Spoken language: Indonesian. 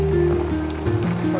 gak bisa ya